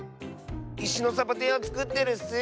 いしのサボテンをつくってるッス！